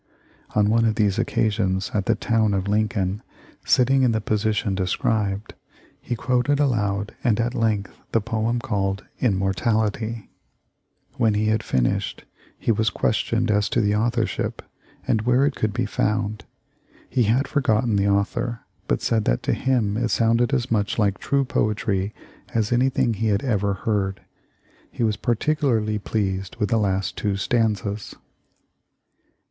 On one of these occasions, at the town of Lincoln, sit ting in the position described, he quoted aloud and at length the poem called 'Immortality/ When he * Lawrence Weldon, letter, Feb. 10, 1866, MS. 320 THE LIFE 0F LINCOLN. had finished he was questioned as to the authorship and where it could be found. He had forgotten the author, but said that to him it sounded as much like true poetry as anything he had ever heard. He was particularly pleased with the last two stanzas."